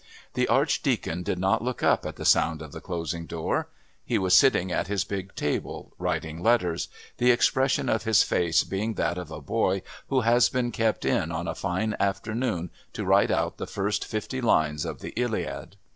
The Archdeacon did not look up at the sound of the closing door. He was sitting at his big table writing letters, the expression of his face being that of a boy who has been kept in on a fine afternoon to write out the first fifty lines of the Iliad.